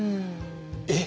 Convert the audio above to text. えっ！